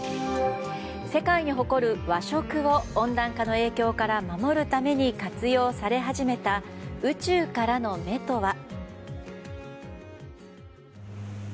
世界に誇る和食を温暖化の影響から守るために活用され始めた宇宙からの目とは？